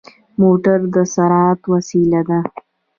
موټر د سرعت وسيله ده.